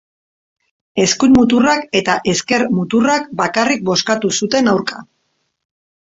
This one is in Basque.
Eskuin muturrak eta ezker muturrak bakarrik bozkatu zuten aurka.